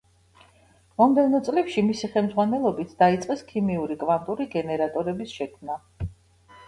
მომდევნო წლებში მისი ხელმძღვანელობით დაიწყეს ქიმიური კვანტური გენერატორების შექმნა.